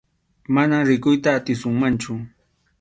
Manam rikuyta atisunmanchu.